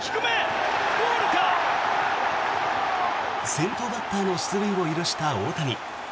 先頭バッターの出塁を許した大谷。